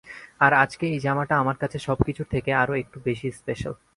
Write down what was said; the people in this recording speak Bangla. আর আজকে এই জামাটা আমার কাছে সবকিছুর থেকে আরও একটু বেশি স্পেশাল।